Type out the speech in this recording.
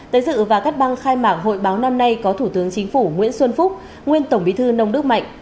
tới dự và cắt băng khai mạc hội báo năm nay có thủ tướng chính phủ nguyễn xuân phúc nguyên tổng bí thư nông đức mạnh